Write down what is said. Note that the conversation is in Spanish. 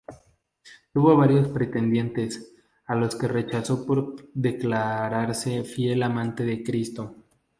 Tuvo varios pretendientes, a los que rechazó por declararse fiel amante de Cristo.